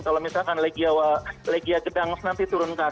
kalau misalkan legia yagdang nanti turun